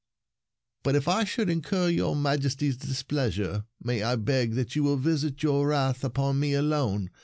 " But if I should incur your Majesty's displeasure, may I beg that you will visit your wrath upon me alone?